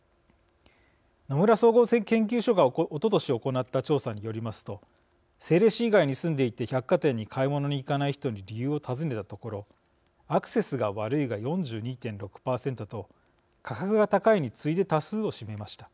野村総合研究所がおととし行った調査によりますと政令市以外に住んでいて百貨店に買い物に行かない人に理由を尋ねたところアクセスが悪いが４２．６％と価格が高いに次いで多数を占めました。